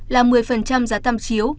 là một mươi giá tam chiếu